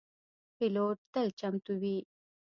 پیلوټ تل چمتو وي.